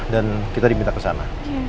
dan kita diminta kesana